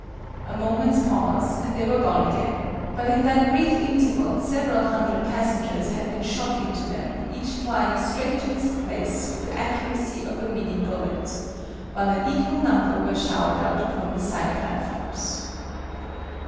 A moment's pause, and they were gone again; but in that brief interval several hundred passengers had been shot into them, each flying straight to his place with the accuracy of a Minie bullet while an equal number were showered out upon the side platforms.